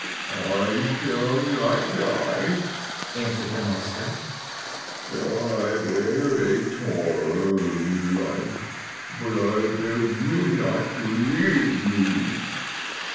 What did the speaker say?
"I shall not die," answered the monster, "for I bear a charmed life. But I beg you not to leave me!"